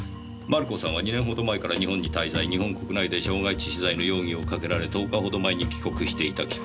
「マルコさんは２年ほど前から日本に滞在」「日本国内で傷害致死罪の容疑をかけられ１０日ほど前に帰国していた」